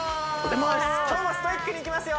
今日もストイックにいきますよ！